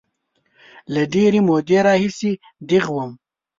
له ډېرې مودې راهیسې دیغ وم.